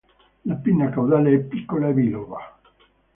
La pinna caudale è piccola e biloba.